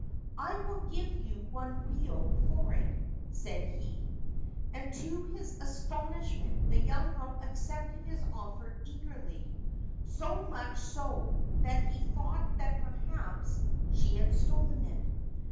* I will give you one rio for it,' said he ; and to his astonishment the young girl accepted his offer eagerly — so much so that he thought that perhaps she had stolen it.